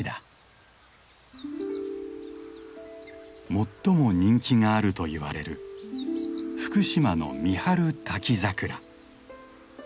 最も人気があるといわれる福島の三春滝桜。